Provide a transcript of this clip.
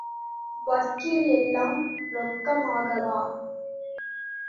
வக்கீல் எல்லாம் ரொக்கமாகவா?